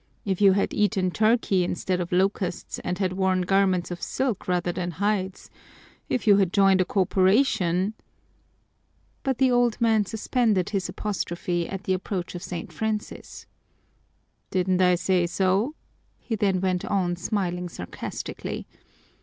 If you had eaten turkey instead of locusts and had worn garments of silk rather than hides, if you had joined a Corporation " But the old man suspended his apostrophe at the approach of St. Francis. "Didn't I say so?" he then went on, smiling sarcastically.